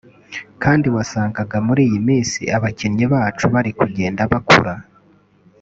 kandi wasangaga muri iyi minsi abakinnyi bacu bari kugenda bakura”